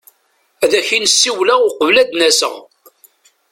Ad ak-in-ssiwleɣ uqbel ad n-aseɣ.